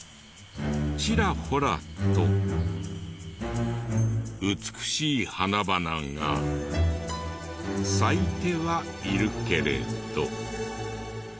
ちらほらと美しい花々が咲いてはいるけれど。